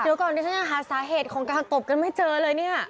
เดี๋ยวก่อนดิฉันยังหาสาเหตุของการตบกันไม่เจอเลยเนี่ย